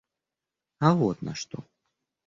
А вот на что.